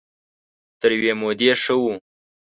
تر يوې مودې ښه وو.